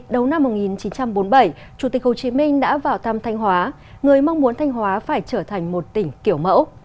đầu năm một nghìn chín trăm bốn mươi bảy chủ tịch hồ chí minh đã vào thăm thanh hóa người mong muốn thanh hóa phải trở thành một tỉnh kiểu mẫu